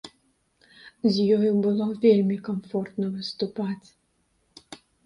З ёю было вельмі камфортна выступаць.